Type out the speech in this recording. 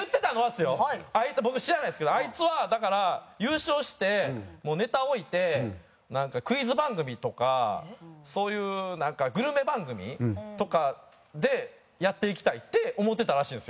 僕知らないですけどあいつはだから優勝してもうネタ置いてクイズ番組とかそういうグルメ番組とかでやっていきたいって思ってたらしいんですよ。